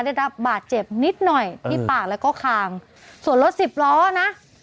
ได้รับบาดเจ็บนิดหน่อยที่ปากแล้วก็คางส่วนรถสิบล้อนะ